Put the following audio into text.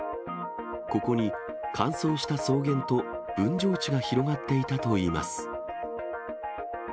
ここに乾燥した草原と、分譲地が広がっていたといいます。